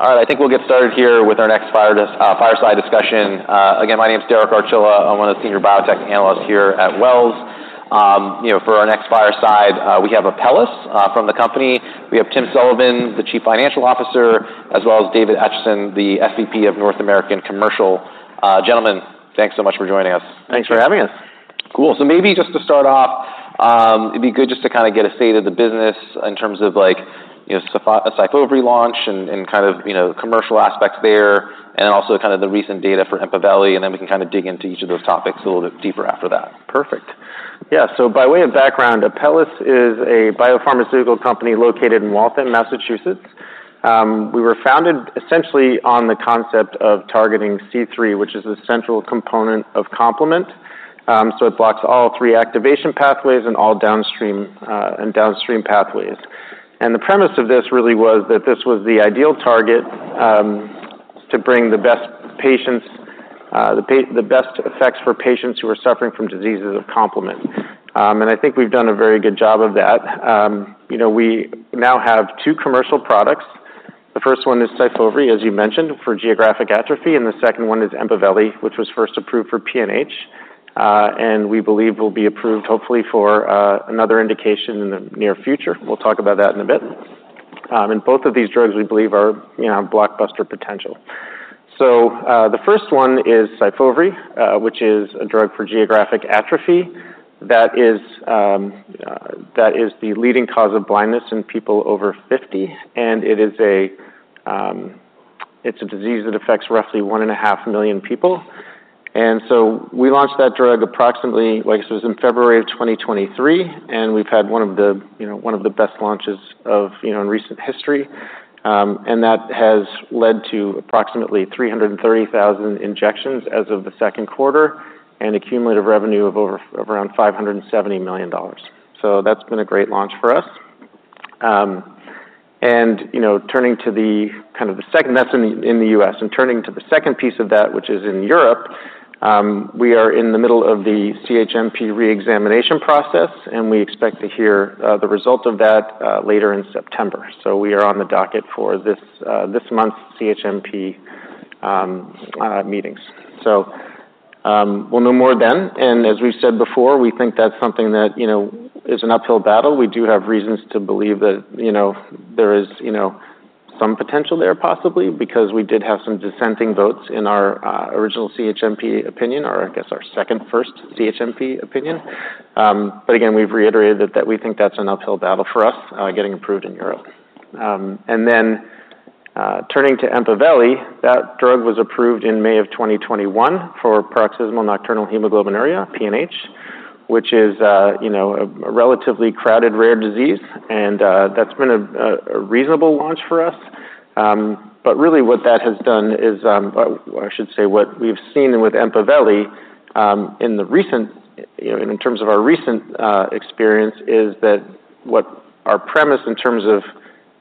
All right, I think we'll get started here with our next fireside discussion. Again, my name is Derek Archilla. I'm one of the senior biotech analysts here at Wells. You know, for our next fireside, we have Apellis from the company. We have Tim Sullivan, the Chief Financial Officer, as well as David Atchison, the SVP of North American Commercial. Gentlemen, thanks so much for joining us. Thanks for having us. Cool. So maybe just to start off, it'd be good just to kind of get a state of the business in terms of like, you know, SYFOVRE launch and kind of, you know, commercial aspects there, and then also kind of the recent data for EMPAVELI, and then we can kind of dig into each of those topics a little bit deeper after that. Perfect. Yeah, so by way of background, Apellis is a biopharmaceutical company located in Waltham, Massachusetts. We were founded essentially on the concept of targeting C3, which is a central component of complement. So it blocks all three activation pathways and all downstream pathways, and the premise of this really was that this was the ideal target to bring the best effects for patients who are suffering from diseases of complement. And I think we've done a very good job of that. You know, we now have two commercial products. The first one is SYFOVRE, as you mentioned, for geographic atrophy, and the second one is EMPAVELI, which was first approved for PNH, and we believe will be approved, hopefully, for another indication in the near future. We'll talk about that in a bit. And both of these drugs, we believe, are, you know, blockbuster potential. So, the first one is SYFOVRE, which is a drug for geographic atrophy. That is the leading cause of blindness in people over fifty, and it is a, it's a disease that affects roughly 1.5 million people. And so we launched that drug approximately, like I said, it was in February of 2023, and we've had one of the, you know, one of the best launches of, you know, in recent history. And that has led to approximately 330,000 injections as of the second quarter and cumulative revenue of around $570 million. So that's been a great launch for us. And, you know, turning to the kind of the second. That's in the US, and turning to the second piece of that, which is in Europe, we are in the middle of the CHMP reexamination process, and we expect to hear the results of that later in September. So we are on the docket for this month's CHMP meetings. We'll know more then, and as we've said before, we think that's something that, you know, is an uphill battle. We do have reasons to believe that, you know, there is, you know, some potential there, possibly, because we did have some dissenting votes in our original CHMP opinion, or I guess, our second first CHMP opinion. But again, we've reiterated that, that we think that's an uphill battle for us getting approved in Europe. And then, turning to EMPAVELI, that drug was approved in May of 2021 for paroxysmal nocturnal hemoglobinuria, PNH, which is, you know, a relatively crowded, rare disease, and, that's been a reasonable launch for us. But really what that has done is, or I should say, what we've seen with EMPAVELI, in terms of our recent experience, is that what our premise in terms of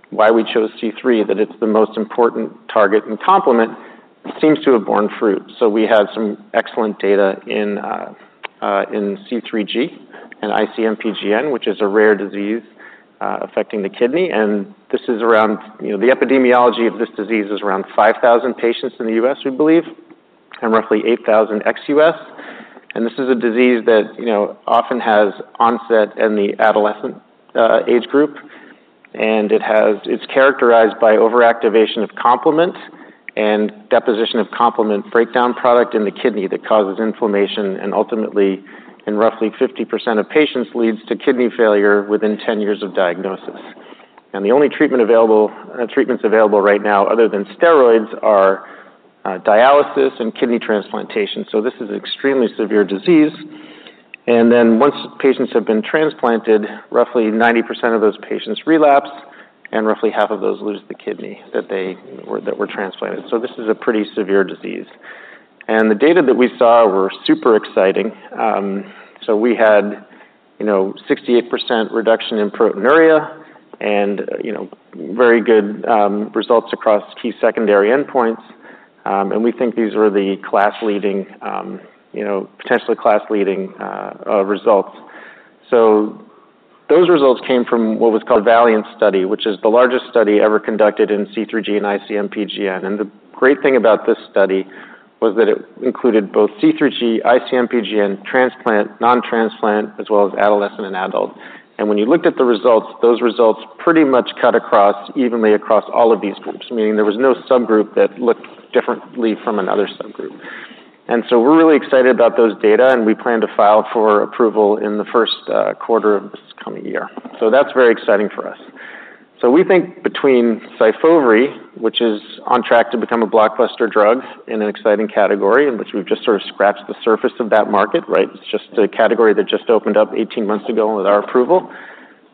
why we chose C3, that it's the most important target and complement, seems to have borne fruit. So we had some excellent data in C3G and IC-MPGN, which is a rare disease, affecting the kidney. And this is around, you know, the epidemiology of this disease is around 5,000 patients in the U.S., we believe, and roughly 8,000 ex-U.S. This is a disease that, you know, often has onset in the adolescent age group, and it's characterized by overactivation of complement and deposition of complement breakdown product in the kidney that causes inflammation, and ultimately, in roughly 50% of patients, leads to kidney failure within 10 years of diagnosis. The only treatments available right now, other than steroids, are dialysis and kidney transplantation. This is an extremely severe disease. Then once patients have been transplanted, roughly 90% of those patients relapse, and roughly half of those lose the kidney that they, or that were transplanted. This is a pretty severe disease. The data that we saw were super exciting. So we had, you know, 68% reduction in proteinuria and, you know, very good results across key secondary endpoints, and we think these were the class-leading, you know, potentially class-leading results. Those results came from what was called the VALIANT study, which is the largest study ever conducted in C3G and IC-MPGN. And the great thing about this study was that it included both C3G, IC-MPGN, transplant, non-transplant, as well as adolescent and adult. And when you looked at the results, those results pretty much cut across evenly across all of these groups, meaning there was no subgroup that looked differently from another subgroup. And so we're really excited about those data, and we plan to file for approval in the first quarter of this coming year. So that's very exciting for us. So we think between SYFOVRE, which is on track to become a blockbuster drug in an exciting category, in which we've just sort of scratched the surface of that market, right? It's just a category that just opened up eighteen months ago with our approval.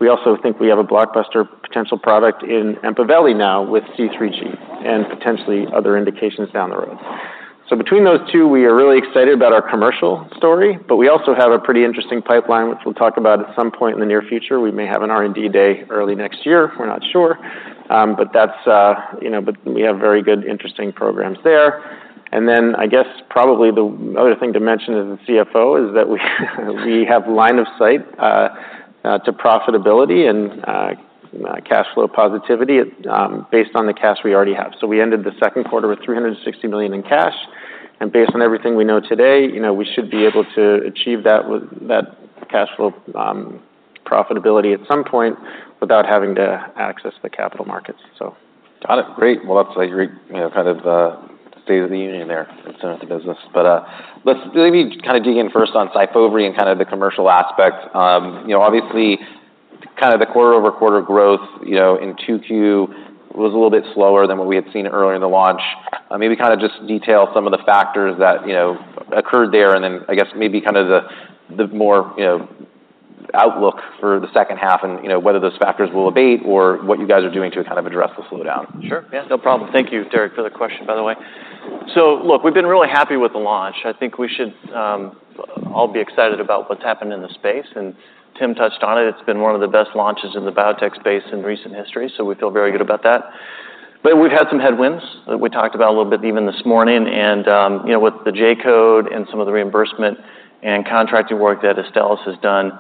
We also think we have a blockbuster potential product in EMPAVELI now with C3G and potentially other indications down the road. So between those two, we are really excited about our commercial story, but we also have a pretty interesting pipeline, which we'll talk about at some point in the near future. We may have an R&D day early next year. We're not sure. But that's, you know, but we have very good, interesting programs there. Then I guess probably the other thing to mention as a CFO is that we have line of sight to profitability and cash flow positivity based on the cash we already have. So we ended the second quarter with $360 million in cash, and based on everything we know today, you know, we should be able to achieve that with that cash flow profitability at some point, without having to access the capital markets, so. Got it. Great! Well, that's like your, you know, kind of, state of the union there in terms of the business. But, let's maybe kind of dig in first on SYFOVRE and kind of the commercial aspect. You know, obviously, kind of the quarter-over-quarter growth, you know, in 2Q was a little bit slower than what we had seen earlier in the launch. Maybe kind of just detail some of the factors that, you know, occurred there, and then I guess maybe kind of the more, you know, outlook for the second half and, you know, whether those factors will abate or what you guys are doing to kind of address the slowdown. Sure, yeah, no problem. Thank you, Derek, for the question, by the way. So look, we've been really happy with the launch. I think we should all be excited about what's happened in the space, and Tim touched on it. It's been one of the best launches in the biotech space in recent history, so we feel very good about that. But we've had some headwinds that we talked about a little bit even this morning, and, you know, with the J-code and some of the reimbursement and contracting work that Astellas has done,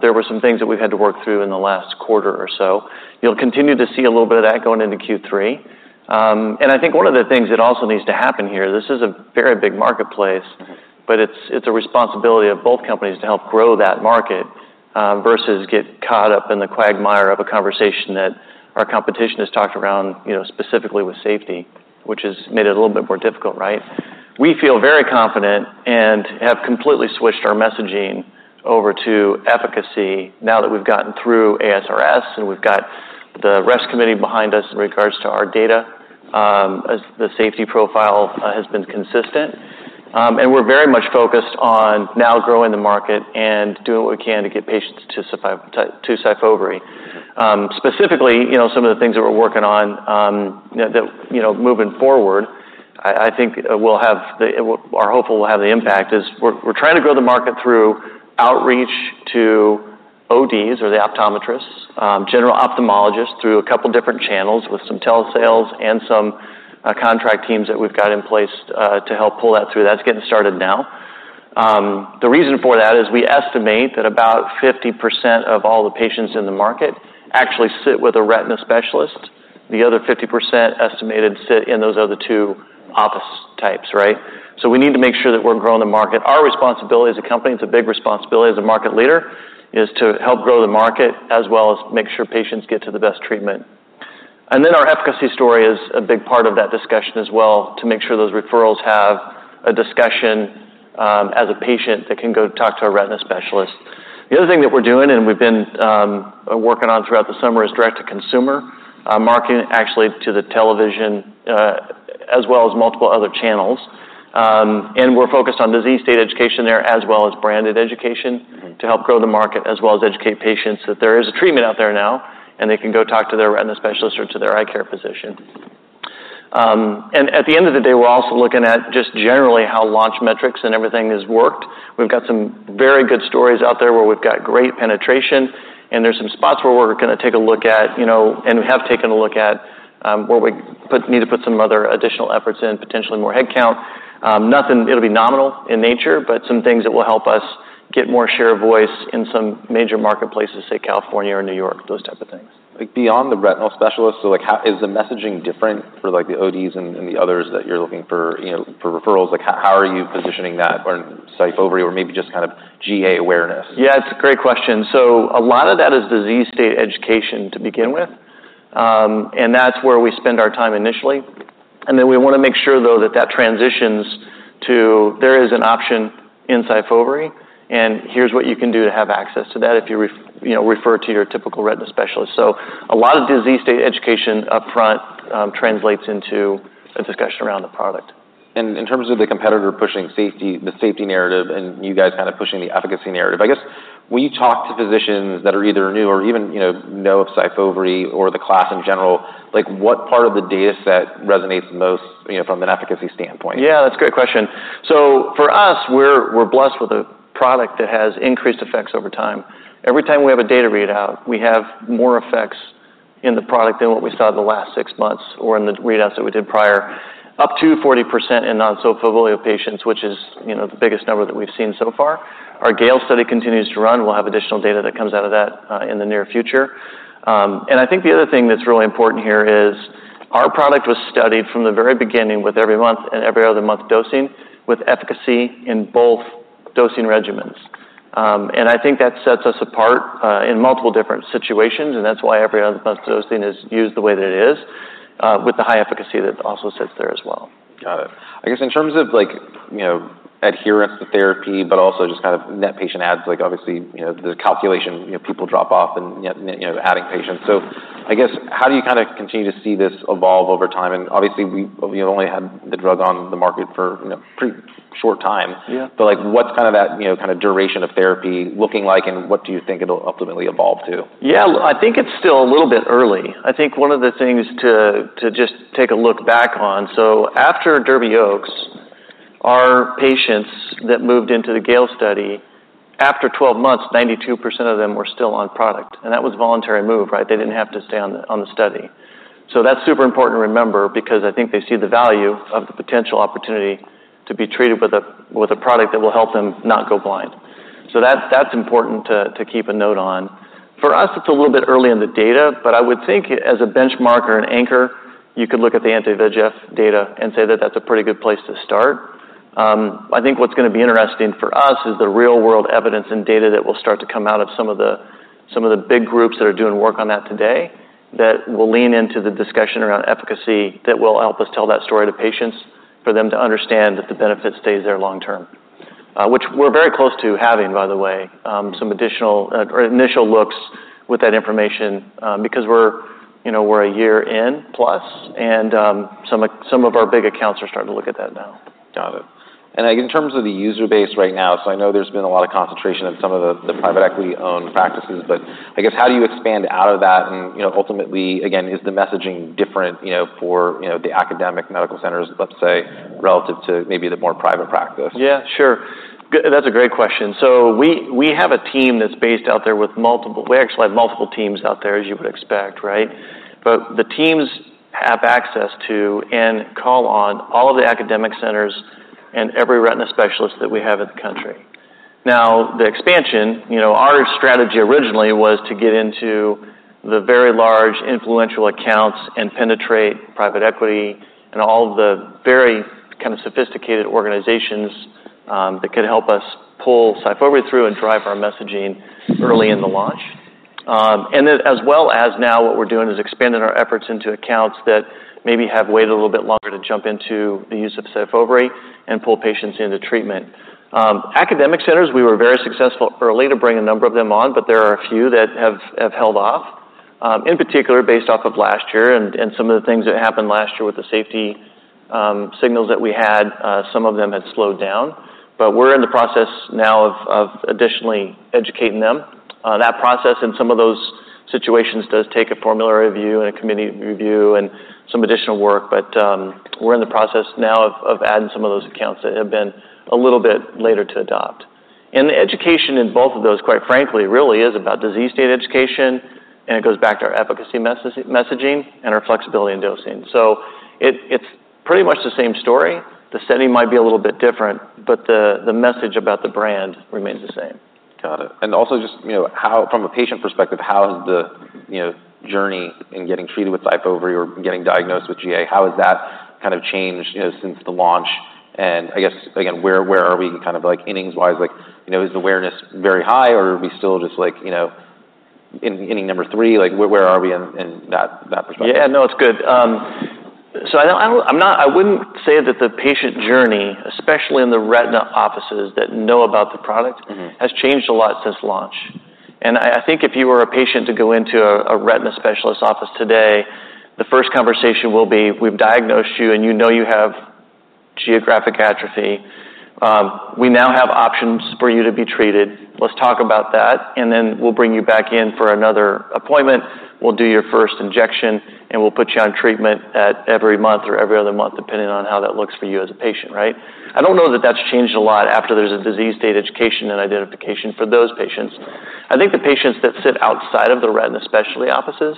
there were some things that we've had to work through in the last quarter or so. You'll continue to see a little bit of that going into Q3. And I think one of the things that also needs to happen here, this is a very big marketplace- Mm-hmm. But it's a responsibility of both companies to help grow that market, versus get caught up in the quagmire of a conversation that our competition has talked around, you know, specifically with safety, which has made it a little bit more difficult, right? We feel very confident and have completely switched our messaging over to efficacy now that we've gotten through ASRS, and we've got the ReST committee behind us in regards to our data, as the safety profile has been consistent, and we're very much focused on now growing the market and doing what we can to get patients to SYFOVRE. Specifically, you know, some of the things that we're working on, you know, moving forward, I think we'll have the... We are hopeful we'll have the impact. That is, we're trying to grow the market through outreach to ODs or the optometrists, general ophthalmologists, through a couple different channels with some telesales and some contract teams that we've got in place to help pull that through. That's getting started now. The reason for that is we estimate that about 50% of all the patients in the market actually sit with a retina specialist. The other 50% estimated sit in those other two office types, right? So we need to make sure that we're growing the market. Our responsibility as a company, it's a big responsibility as a market leader, is to help grow the market as well as make sure patients get to the best treatment. And then our efficacy story is a big part of that discussion as well, to make sure those referrals have a discussion, as a patient that can go talk to a retina specialist. The other thing that we're doing, and we've been working on throughout the summer, is direct-to-consumer marketing, actually, to the television, as well as multiple other channels. And we're focused on disease state education there, as well as branded education- Mm-hmm. to help grow the market, as well as educate patients that there is a treatment out there now, and they can go talk to their retina specialist or to their eye care physician. And at the end of the day, we're also looking at just generally how launch metrics and everything has worked. We've got some very good stories out there where we've got great penetration, and there's some spots where we're gonna take a look at, you know, and we have taken a look at, where we need to put some other additional efforts in, potentially more headcount. Nothing... It'll be nominal in nature, but some things that will help us get more share of voice in some major marketplaces, say, California or New York, those type of things. Like, beyond the retinal specialists, so like, how is the messaging different for, like, the ODs and the others that you're looking for, you know, for referrals? Like, how are you positioning that on SYFOVRE or maybe just kind of GA awareness? Yeah, it's a great question. So a lot of that is disease state education to begin with. And that's where we spend our time initially, and then we wanna make sure, though, that that transitions to there is an option in SYFOVRE, and here's what you can do to have access to that if you, you know, refer to your typical retina specialist. So a lot of disease state education upfront translates into a discussion around the product. In terms of the competitor pushing safety, the safety narrative, and you guys kind of pushing the efficacy narrative, I guess, when you talk to physicians that are either new or even, you know, know of SYFOVRE or the class in general, like, what part of the data set resonates the most, you know, from an efficacy standpoint? Yeah, that's a great question. So for us, we're blessed with a product that has increased effects over time. Every time we have a data readout, we have more effects in the product than what we saw in the last six months or in the readouts that we did prior, up to 40% in non-exudative patients, which is, you know, the biggest number that we've seen so far. Our GALE study continues to run. We'll have additional data that comes out of that in the near future. And I think the other thing that's really important here is our product was studied from the very beginning with every month and every other month dosing, with efficacy in both dosing regimens. And I think that sets us apart in multiple different situations, and that's why every other month dosing is used the way that it is with the high efficacy that also sits there as well. Got it. I guess, in terms of like, you know, adherence to therapy, but also just kind of net patient adds, like, obviously, you know, the calculation, you know, people drop off and yet, you know, adding patients. So I guess, how do you kinda continue to see this evolve over time? And obviously, we've, you know, only had the drug on the market for, you know, pretty short time. Yeah. But, like, what's kind of that, you know, kind of duration of therapy looking like, and what do you think it'll ultimately evolve to? Yeah, I think it's still a little bit early. I think one of the things to, to just take a look back on. So after DERBY and OAKS, our patients that moved into the GALE study, after 12 months, 92% of them were still on product, and that was a voluntary move, right? They didn't have to stay on the, on the study. So that's super important to remember because I think they see the value of the potential opportunity to be treated with a, with a product that will help them not go blind. So that's, that's important to, to keep a note on. For us, it's a little bit early in the data, but I would think as a benchmarker and anchor, you could look at the anti-VEGF data and say that that's a pretty good place to start. I think what's gonna be interesting for us is the real-world evidence and data that will start to come out of some of the big groups that are doing work on that today, that will lean into the discussion around efficacy, that will help us tell that story to patients, for them to understand that the benefit stays there long term. Which we're very close to having, by the way, some additional or initial looks with that information, because we're, you know, we're a year in plus, and some of our big accounts are starting to look at that now. Got it and, like, in terms of the user base right now, so I know there's been a lot of concentration of some of the private equity-owned practices, but I guess, how do you expand out of that and, you know, ultimately, again, is the messaging different, you know, for, you know, the academic medical centers, let's say, relative to maybe the more private practice? Yeah, sure. That's a great question. So we, we have a team that's based out there with multiple teams out there, as you would expect, right? But the teams have access to and call on all of the academic centers and every retina specialist that we have in the country. Now, the expansion, you know, our strategy originally was to get into the very large, influential accounts and penetrate private equity and all of the very kind of sophisticated organizations that could help us pull SYFOVRE through and drive our messaging early in the launch. And then as well as now, what we're doing is expanding our efforts into accounts that maybe have waited a little bit longer to jump into the use of SYFOVRE and pull patients into treatment. Academic centers, we were very successful early to bring a number of them on, but there are a few that have held off. In particular, based off of last year and some of the things that happened last year with the safety signals that we had, some of them had slowed down, but we're in the process now of additionally educating them. That process in some of those situations does take a formulary review and a committee review and some additional work, but we're in the process now of adding some of those accounts that have been a little bit later to adopt, and the education in both of those, quite frankly, really is about disease state education, and it goes back to our efficacy messaging and our flexibility in dosing, so it's pretty much the same story. The setting might be a little bit different, but the message about the brand remains the same. Got it. And also just, you know, how... From a patient perspective, how is the, you know, journey in getting treated with SYFOVRE or getting diagnosed with GA, how has that kind of changed, you know, since the launch? And I guess, again, where are we kind of, like, innings-wise? Like, you know, is awareness very high, or are we still just like, you know, in inning number three, like, where are we in that perspective? Yeah, no, it's good. So I wouldn't say that the patient journey, especially in the retina offices that know about the product. Mm-hmm... has changed a lot since launch. I think if you were a patient to go into a retina specialist office today, the first conversation will be: We've diagnosed you, and you know you have geographic atrophy. We now have options for you to be treated. Let's talk about that, and then we'll bring you back in for another appointment. We'll do your first injection, and we'll put you on treatment at every month or every other month, depending on how that looks for you as a patient, right? I don't know that that's changed a lot after there's a disease state education and identification for those patients. I think the patients that sit outside of the retina specialty offices,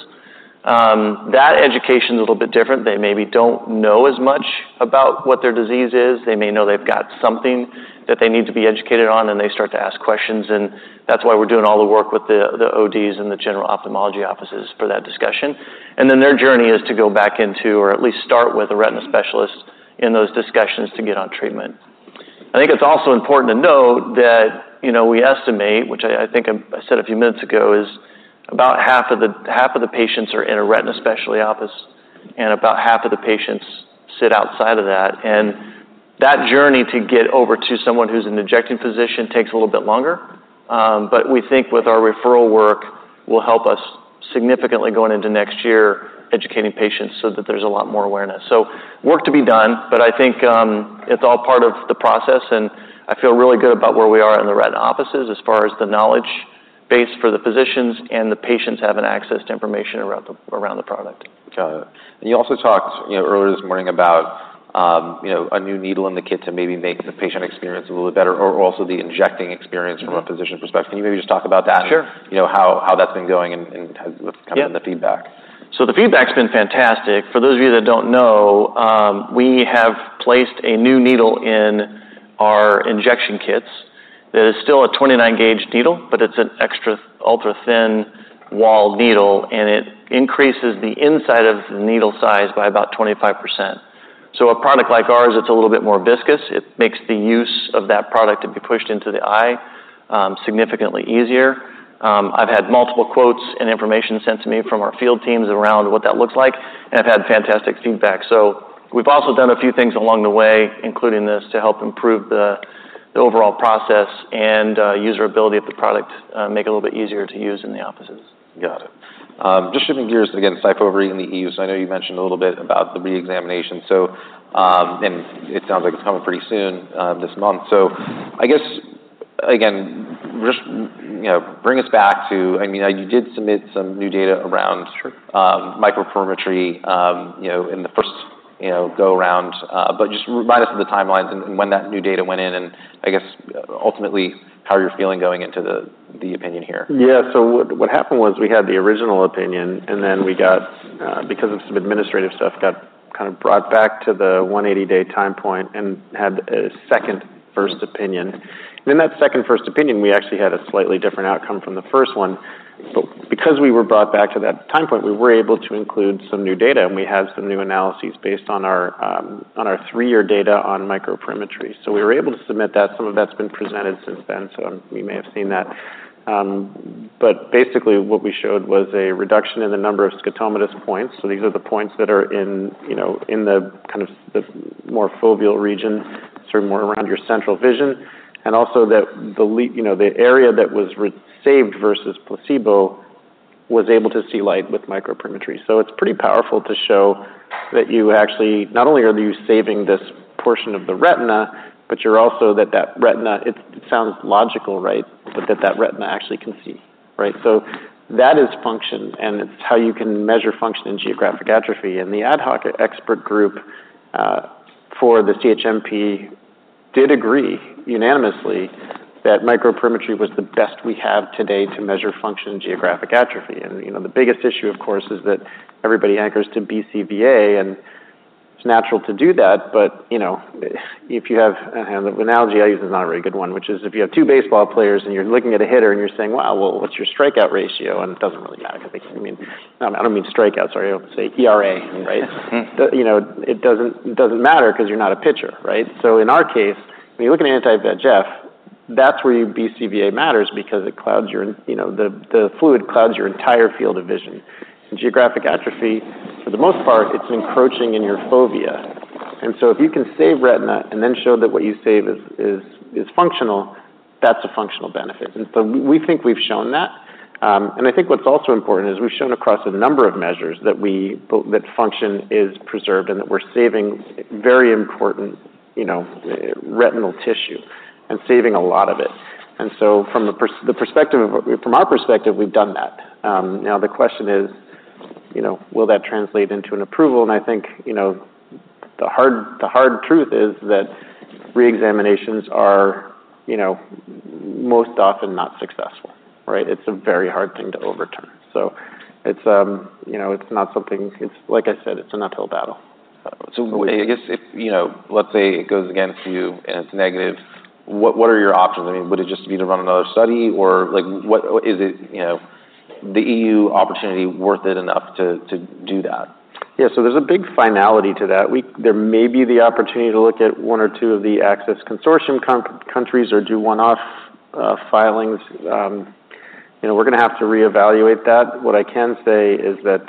that education is a little bit different. They maybe don't know as much about what their disease is. They may know they've got something that they need to be educated on, and they start to ask questions, and that's why we're doing all the work with the ODs and the general ophthalmology offices for that discussion. And then their journey is to go back into or at least start with a retina specialist in those discussions to get on treatment. I think it's also important to note that, you know, we estimate, which I think I said a few minutes ago, is about half of the patients are in a retina specialty office, and about half of the patients sit outside of that. And that journey to get over to someone who's an injecting physician takes a little bit longer. But we think with our referral work will help us significantly going into next year, educating patients so that there's a lot more awareness. So work to be done, but I think it's all part of the process, and I feel really good about where we are in the retina offices as far as the knowledge base for the physicians and the patients having access to information around the product. Got it. And you also talked, you know, earlier this morning about, you know, a new needle in the kit to maybe make the patient experience a little bit better or also the injecting experience- Mm-hmm... from a physician's perspective. Can you maybe just talk about that? Sure. You know, how that's been going and- Yeah... kind of the feedback. So the feedback's been fantastic. For those of you that don't know, we have placed a new needle in our injection kits that is still a 29-gauge needle, but it's an extra ultra-thin wall needle, and it increases the inside of the needle size by about 25%. So a product like ours, it's a little bit more viscous. It makes the use of that product to be pushed into the eye significantly easier. I've had multiple quotes and information sent to me from our field teams around what that looks like, and I've had fantastic feedback. So we've also done a few things along the way, including this, to help improve the overall process and user ability of the product, make it a little bit easier to use in the offices. Got it. Just shifting gears again, SYFOVRE in the EU, so I know you mentioned a little bit about the reexamination. So, and it sounds like it's coming pretty soon, this month. So I guess again, just, you know, bring us back to, I mean, you did submit some new data around, microperimetry, you know, in the first, you know, go around. But just remind us of the timelines and, and when that new data went in, and I guess, ultimately, how you're feeling going into the, the opinion here. Yeah. So what, what happened was we had the original opinion, and then we got, because of some administrative stuff, got kind of brought back to the 180-day time point and had a second first opinion. And in that second first opinion, we actually had a slightly different outcome from the first one. But because we were brought back to that time point, we were able to include some new data, and we had some new analyses based on our, on our three-year data on microperimetry. So we were able to submit that. Some of that's been presented since then, so you may have seen that. But basically, what we showed was a reduction in the number of scotomatous points. So these are the points that are in, you know, in the kind of the more foveal region, sort of more around your central vision. And also that you know, the area that was saved versus placebo was able to see light with microperimetry. So it's pretty powerful to show that you actually... Not only are you saving this portion of the retina, but you're also that retina it sounds logical, right? But that retina actually can see, right? So that is function, and it's how you can measure function in geographic atrophy. And the ad hoc expert group for the CHMP did agree unanimously that microperimetry was the best we have today to measure function in geographic atrophy. And, you know, the biggest issue, of course, is that everybody anchors to BCVA, and it's natural to do that. But, you know, if you have... The analogy I use is not a very good one, which is, if you have two baseball players, and you're looking at a hitter and you're saying, "Well, what's your strikeout ratio?" It doesn't really matter, because, I mean, I don't mean strikeouts, sorry, I'll say ERA, right? You know, it doesn't matter because you're not a pitcher, right? So in our case, when you look at anti-VEGF, that's where your BCVA matters because it clouds your, you know, the fluid clouds your entire field of vision. In geographic atrophy, for the most part, it's encroaching in your fovea. And so if you can save retina and then show that what you save is functional, that's a functional benefit. And so we think we've shown that. And I think what's also important is we've shown across a number of measures that we, that function is preserved, and that we're saving very important, you know, retinal tissue, and saving a lot of it. And so from the perspective of... From our perspective, we've done that. Now, the question is, you know, will that translate into an approval? And I think, you know, the hard truth is that reexaminations are, you know, most often not successful, right? It's a very hard thing to overturn. So it's, you know, it's not something... It's like I said, it's an uphill battle. So- So I guess if, you know, let's say it goes against you, and it's negative, what are your options? I mean, would it just be to run another study, or, like, what is it, you know, the EU opportunity worth it enough to do that? Yeah, so there's a big finality to that. There may be the opportunity to look at one or two of the Access Consortium countries or do one-off filings. You know, we're going to have to reevaluate that. What I can say is that,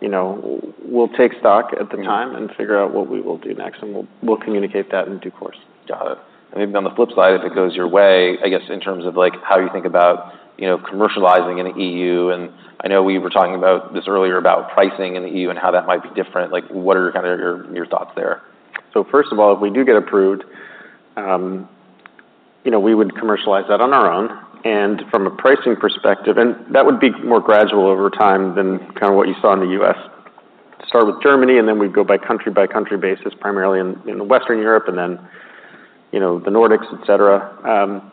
you know, we'll take stock at the time- Mm-hmm... and figure out what we will do next, and we'll communicate that in due course. Got it. And even on the flip side, if it goes your way, I guess, in terms of, like, how you think about, you know, commercializing in the EU, and I know we were talking about this earlier, about pricing in the EU and how that might be different. Like, what are kind of your thoughts there? First of all, if we do get approved, you know, we would commercialize that on our own, and from a pricing perspective that would be more gradual over time than kind of what you saw in the U.S. Start with Germany, and then we'd go country by country basis, primarily in Western Europe, and then, you know, the Nordics, et cetera,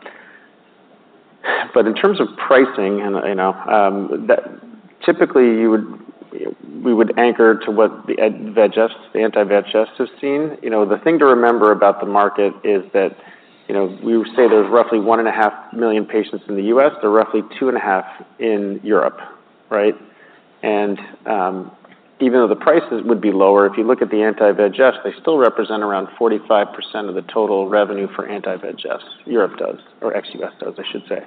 but in terms of pricing, and you know, typically we would anchor to what the anti-VEGF has seen. You know, the thing to remember about the market is that, you know, we say there's roughly one and a half million patients in the U.S., there are roughly two and a half in Europe, right? Even though the prices would be lower, if you look at the anti-VEGF, they still represent around 45% of the total revenue for anti-VEGF. Europe does, or ex-US does, I should say.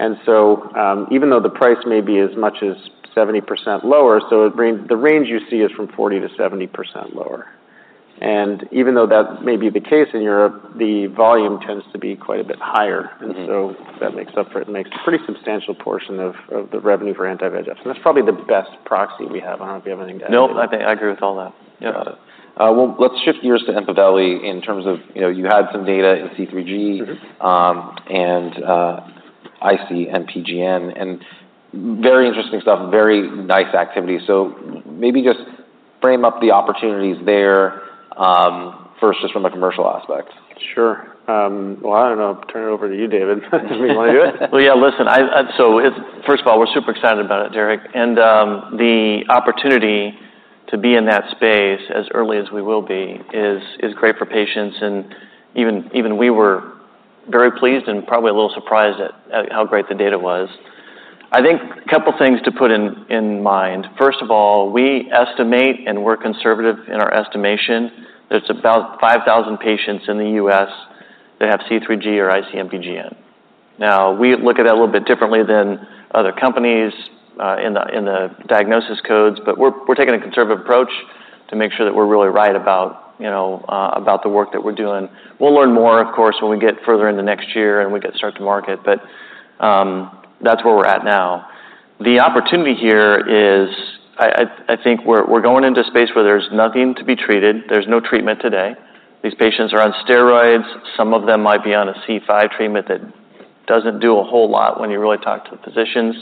Even though the price may be as much as 70% lower, the range you see is from 40%-70% lower. Even though that may be the case in Europe, the volume tends to be quite a bit higher. Mm-hmm. And so that makes up for it, makes a pretty substantial portion of the revenue for anti-VEGF. And that's probably the best proxy we have. I don't know if you have anything to add. Nope, I agree with all that. Yeah. Got it. Well, let's shift gears to EMPAVELI. In terms of, you know, you had some data in C3G- Mm-hmm... and IC-MPGN, and very interesting stuff and very nice activity. So maybe just frame up the opportunities there, first, just from a commercial aspect. Sure. Well, I don't know. I'll turn it over to you, David. Do you want to do it? Yeah, listen. So first of all, we're super excited about it, Derek, and the opportunity to be in that space as early as we will be is great for patients, and we were very pleased and probably a little surprised at how great the data was. I think a couple of things to put in mind. First of all, we estimate, and we're conservative in our estimation, that it's about 5,000 patients in the U.S. that have C3G or IC-MPGN. Now, we look at that a little bit differently than other companies in the diagnosis codes, but we're taking a conservative approach to make sure that we're really right about you know, about the work that we're doing. We'll learn more, of course, when we get further into next year and we get to start to market. But,... that's where we're at now. The opportunity here is, I think we're going into a space where there's nothing to be treated. There's no treatment today. These patients are on steroids. Some of them might be on a C5 treatment that doesn't do a whole lot when you really talk to the physicians,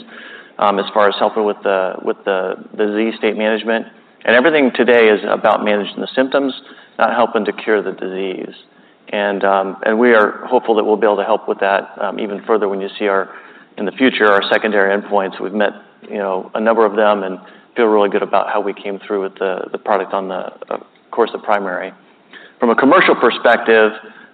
as far as helping with the disease state management. And everything today is about managing the symptoms, not helping to cure the disease. And we are hopeful that we'll be able to help with that, even further when you see our in the future, our secondary endpoints. We've met, you know, a number of them and feel really good about how we came through with the product on, of course, the primary. From a commercial perspective,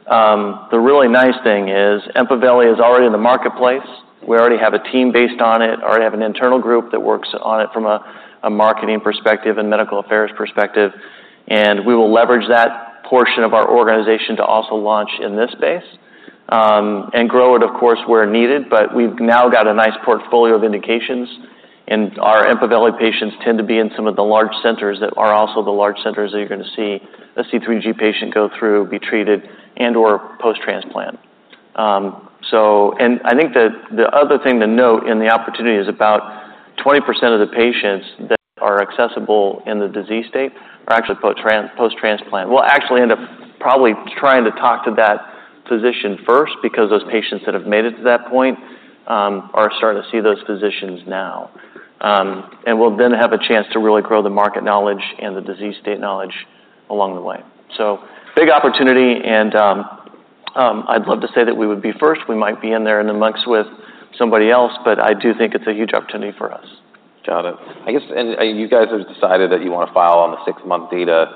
the really nice thing is EMPAVELI is already in the marketplace. We already have a team based on it, already have an internal group that works on it from a marketing perspective and medical affairs perspective, and we will leverage that portion of our organization to also launch in this space, and grow it, of course, where needed. But we've now got a nice portfolio of indications, and our EMPAVELI patients tend to be in some of the large centers that are also the large centers that you're going to see a C3G patient go through, be treated, and/or post-transplant. And I think that the other thing to note in the opportunity is about 20% of the patients that are accessible in the disease state are actually post-transplant. We'll actually end up probably trying to talk to that physician first, because those patients that have made it to that point are starting to see those physicians now, and we'll then have a chance to really grow the market knowledge and the disease state knowledge along the way, so big opportunity, and I'd love to say that we would be first. We might be in there in the mix with somebody else, but I do think it's a huge opportunity for us. Got it. I guess, and you guys have decided that you want to file on the six-month data.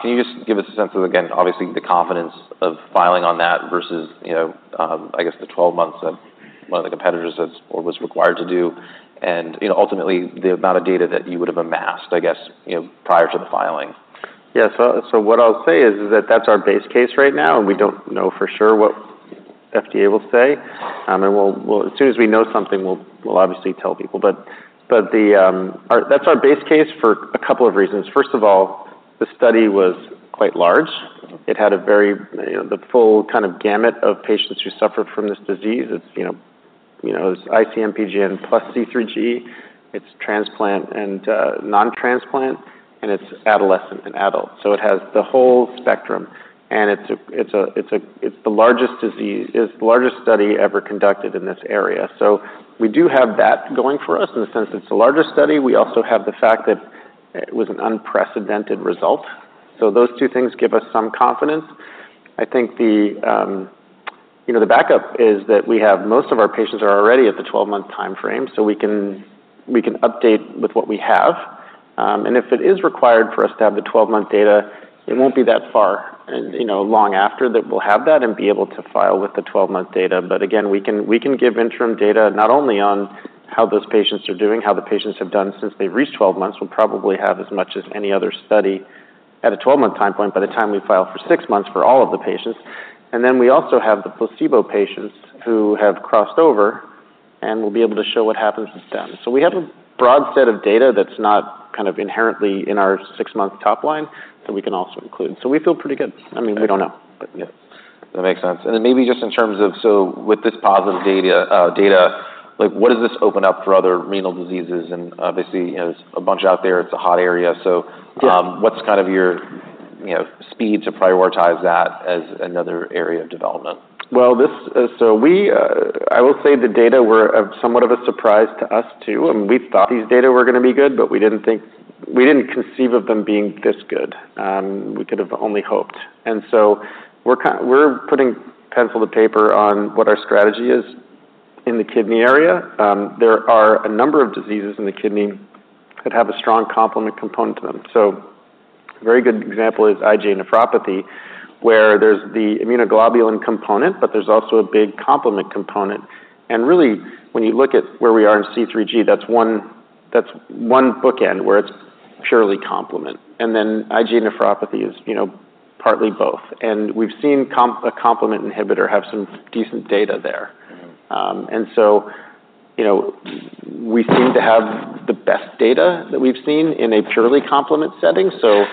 Can you just give us a sense of, again, obviously, the confidence of filing on that versus, you know, I guess, the 12 months of one of the competitors that's or was required to do, and, you know, ultimately, the amount of data that you would have amassed, I guess, you know, prior to the filing? Yes. So what I'll say is that, that's our base case right now, and we don't know for sure what FDA will say. And we'll as soon as we know something, we'll obviously tell people. That's our base case for a couple of reasons. First of all, the study was quite large. Mm-hmm. It had a very, you know, the full kind of gamut of patients who suffered from this disease. It's, you know, it's IC-MPGN plus C3G, it's transplant and non-transplant, and it's adolescent and adult, so it has the whole spectrum, and it's the largest study ever conducted in this area, so we do have that going for us in the sense it's the largest study. We also have the fact that it was an unprecedented result, so those two things give us some confidence. I think the backup is that we have most of our patients are already at the 12-month timeframe, so we can update with what we have. And if it is required for us to have the twelve-month data, it won't be that far, and, you know, long after that, we'll have that and be able to file with the twelve-month data. But again, we can give interim data not only on how those patients are doing, how the patients have done since they've reached twelve months. We'll probably have as much as any other study at a twelve-month time point by the time we file for six months for all of the patients. And then we also have the placebo patients who have crossed over, and we'll be able to show what happens with them. So we have a broad set of data that's not kind of inherently in our six-month top line that we can also include. So we feel pretty good. I mean, we don't know. But yeah. That makes sense. And then maybe just in terms of... So with this positive data, like, what does this open up for other renal diseases? And obviously, you know, there's a bunch out there. It's a hot area. Yeah. What's kind of your, you know, speed to prioritize that as another area of development? I will say the data were of somewhat of a surprise to us, too. We thought these data were going to be good, but we didn't think we didn't conceive of them being this good. We could have only hoped. And so we're putting pencil to paper on what our strategy is in the kidney area. There are a number of diseases in the kidney that have a strong complement component to them. So a very good example is IgA nephropathy, where there's the immunoglobulin component, but there's also a big complement component. And really, when you look at where we are in C3G, that's one bookend where it's purely complement, and then IgA nephropathy is, you know, partly both. And we've seen a complement inhibitor have some decent data there. Mm-hmm. And so, you know, we seem to have the best data that we've seen in a purely complement setting, so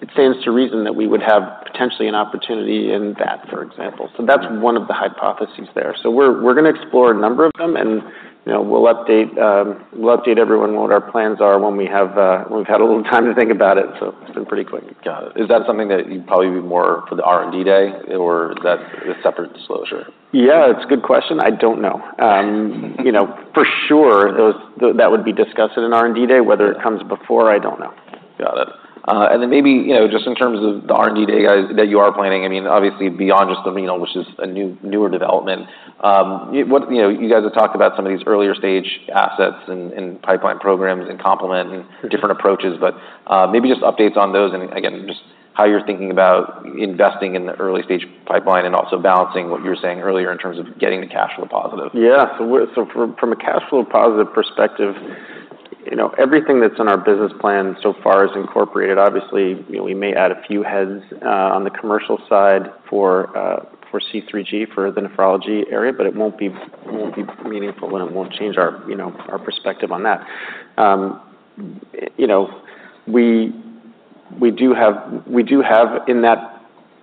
it stands to reason that we would have potentially an opportunity in that, for example. Yeah. So that's one of the hypotheses there. So we're going to explore a number of them, and, you know, we'll update everyone what our plans are when we've had a little time to think about it. So it's been pretty quick. Got it. Is that something that you'd probably be more for the R&D day, or is that a separate disclosure? Yeah, it's a good question. I don't know. You know, for sure, that would be discussed in an R&D day. Whether it comes before, I don't know. Got it. And then maybe, you know, just in terms of the R&D day that you are planning, I mean, obviously beyond just the renal, which is a newer development, you know, you guys have talked about some of these earlier-stage assets and pipeline programs and complement- Sure... and different approaches, but, maybe just updates on those and, again, just how you're thinking about investing in the early stage pipeline and also balancing what you were saying earlier in terms of getting the cash flow positive. Yeah. So from a cash flow positive perspective, you know, everything that's in our business plan so far is incorporated. Obviously, you know, we may add a few heads on the commercial side for C3G, for the nephrology area, but it won't be meaningful, and it won't change our, you know, our perspective on that. You know, we do have in that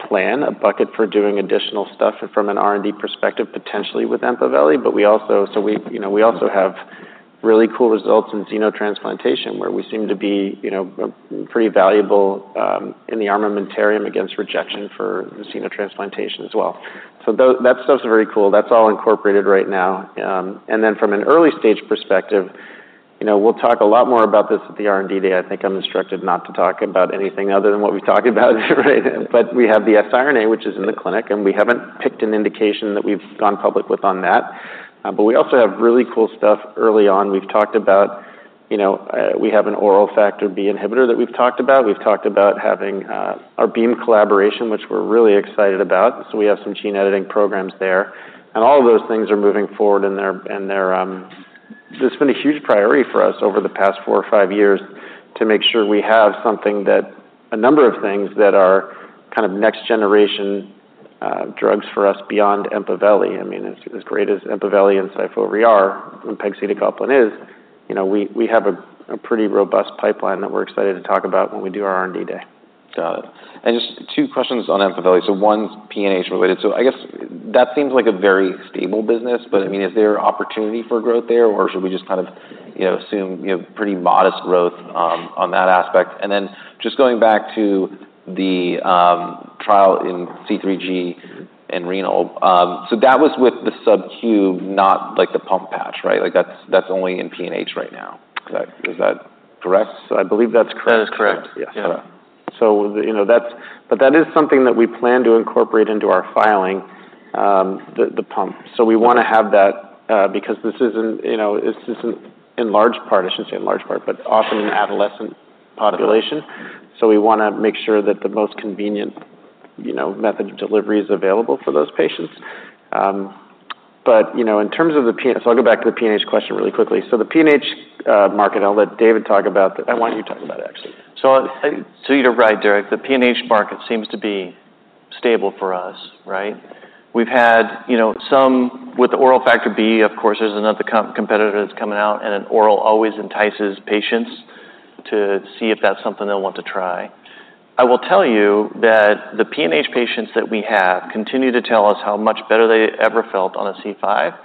plan a bucket for doing additional stuff from an R&D perspective, potentially with EMPAVELI, but we also have really cool results in xenotransplantation, where we seem to be, you know, pretty valuable in the armamentarium against rejection for the xenotransplantation as well. So that stuff's very cool. That's all incorporated right now. From an early stage perspective, you know, we'll talk a lot more about this at the R&D day. I think I'm instructed not to talk about anything other than what we've talked about right? But we have the siRNA, which is in the clinic, and we haven't picked an indication that we've gone public with on that. But we also have really cool stuff early on. We've talked about, you know, we have an oral factor B inhibitor that we've talked about. We've talked about having our Beam collaboration, which we're really excited about. So we have some gene editing programs there. And all of those things are moving forward. It's been a huge priority for us over the past four or five years to make sure we have a number of things that are kind of next generation drugs for us beyond EMPAVELI. I mean, as great as EMPAVELI and SYFOVRE are, and pegcetacoplan is, you know, we have a pretty robust pipeline that we're excited to talk about when we do our R&D Day. Got it. And just two questions on EMPAVELI. So one's PNH related. So I guess that seems like a very stable business, but, I mean, is there opportunity for growth there, or should we just kind of, you know, assume, you know, pretty modest growth on that aspect? And then just going back to the trial in C3G and renal. So that was with the subQ, not like the pump patch, right? Like, that's, that's only in PNH right now. Is that, is that correct? I believe that's correct. That is correct. Yes. Yeah. But that is something that we plan to incorporate into our filing, the pump. So we wanna have that, because this isn't, you know, this isn't in large part, I shouldn't say in large part, but often in adolescent population. So we wanna make sure that the most convenient, you know, method of delivery is available for those patients. But, you know, in terms of the PNH. So I'll go back to the PNH question really quickly. So the PNH market, I'll let David talk about that. I want you to talk about it, actually. So you're right, Derek. The PNH market seems to be stable for us, right? We've had, you know, some with the oral factor B. Of course, there's another competitor that's coming out, and an oral always entices patients to see if that's something they'll want to try. I will tell you that the PNH patients that we have continue to tell us how much better they ever felt on a C5,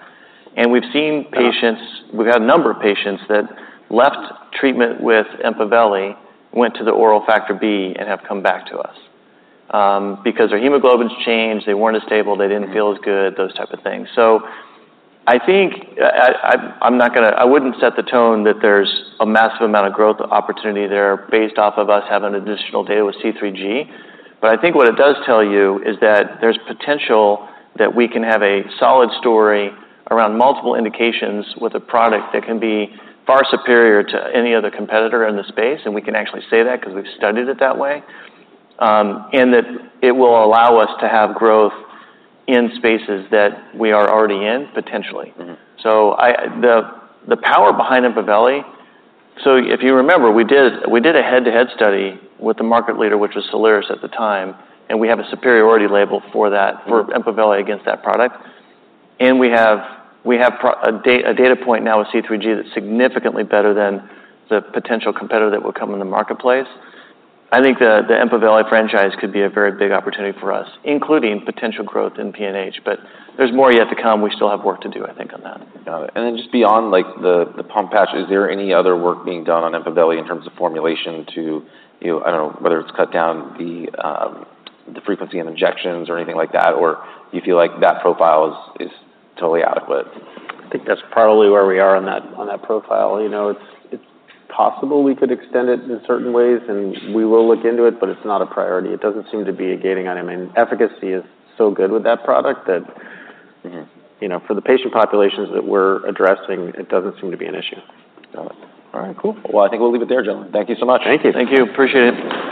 and we've seen patients- Got it. We've had a number of patients that left treatment with EMPAVELI, went to the oral factor B and have come back to us. Because their hemoglobins changed, they weren't as stable, they didn't feel as good, those type of things. So I think I wouldn't set the tone that there's a massive amount of growth opportunity there based off of us having additional data with C3G. But I think what it does tell you is that there's potential that we can have a solid story around multiple indications with a product that can be far superior to any other competitor in the space, and we can actually say that because we've studied it that way, and that it will allow us to have growth in spaces that we are already in, potentially. Mm-hmm. The power behind EMPAVELI, so if you remember, we did a head-to-head study with the market leader, which was Soliris at the time, and we have a superiority label for that. Mm. For EMPAVELI against that product. And we have a data point now with C3G that's significantly better than the potential competitor that would come in the marketplace. I think the EMPAVELI franchise could be a very big opportunity for us, including potential growth in PNH, but there's more yet to come. We still have work to do, I think, on that. Got it. And then just beyond, like, the pump patch, is there any other work being done on EMPAVELI in terms of formulation to, you know, I don't know, whether it's cut down the frequency of injections or anything like that, or you feel like that profile is totally adequate? I think that's probably where we are on that profile. You know, it's possible we could extend it in certain ways, and we will look into it, but it's not a priority. It doesn't seem to be a gating item. I mean, efficacy is so good with that product that- Mm-hmm... you know, for the patient populations that we're addressing, it doesn't seem to be an issue. Got it. All right, cool. Well, I think we'll leave it there, gentlemen. Thank you so much. Thank you. Thank you. Appreciate it.